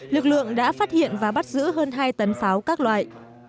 lực lượng đã phát hiện và bắt giữ hơn hai tấn pháo các loại